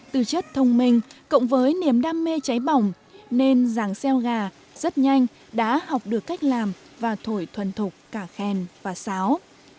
từ chất thông minh cộng với niềm đam mê cháy bỏng nên giàng xeo gà rất nhanh đã học được cách làm và thổi thuần thục cả khen và sáo